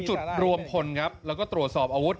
จุดรวมพลครับแล้วก็ตรวจสอบอาวุธ